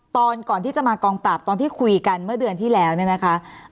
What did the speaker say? ตอนก่อนที่จะมากองปราบตอนที่คุยกันเมื่อเดือนที่แล้วเนี่ยนะคะ